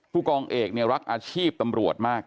ผู้กองเอกเนี่ยรักอาชีพตำรวจมาก